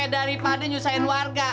daripada nyusahin warga